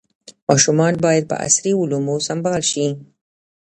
ماشومان باید په عصري علومو سمبال شي.